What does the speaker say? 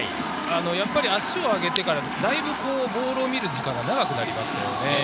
足を上げてからだいぶボールを見る時間が長くなりました。